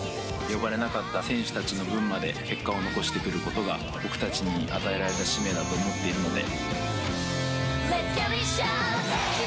呼ばれなかった選手たちの分まで結果を残してくることが僕たちに与えられた使命だと思っているので。